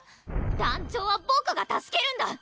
団長は僕が助けるんだ！